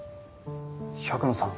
百野さん